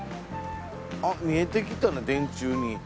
あっ見えてきたな電柱に。